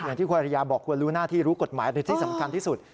ที่คุณอริยาบอกควรรู้หน้าที่รู้กฎหมายหรือที่สำคัญที่สุด